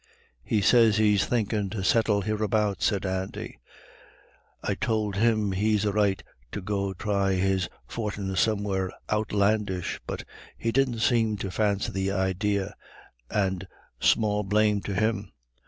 "He sez he's thinkin' to settle hereabouts," said Andy; "I tould him he'd a right to go thry his fortin somewhere outlandish, but he didn't seem to fancy the idee, and small blame to him.